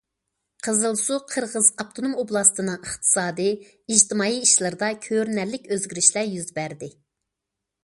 قىزىلسۇ قىرغىز ئاپتونوم ئوبلاستىنىڭ ئىقتىسادىي، ئىجتىمائىي ئىشلىرىدا كۆرۈنەرلىك ئۆزگىرىشلەر يۈز بەردى.